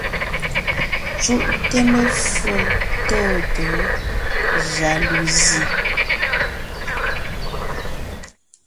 Cúʼte meffo tôtǒ jaluzi.